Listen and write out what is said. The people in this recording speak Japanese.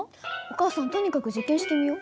お母さんとにかく実験してみよ。